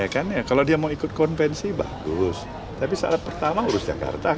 kalau dia mau ikut konvensi bagus tapi saat pertama urus jakarta